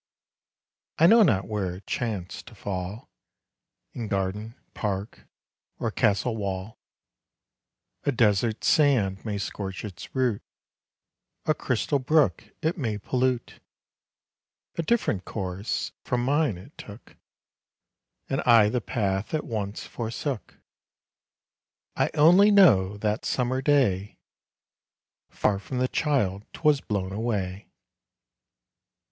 I know not where it chanced to fall, In garden, park, or castle wall; A desert's sand may scorch its root, A crystal brook it may pollute; A different course from mine it took, And I the path at once forsook. I only know that summer day, Far from the child 'twas blown away.